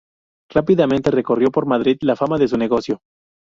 Rápidamente corrió por Madrid la fama de su negocio.